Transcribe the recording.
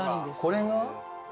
これが？